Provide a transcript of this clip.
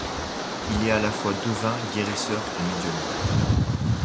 Il est à la fois devin, guérisseur et médium.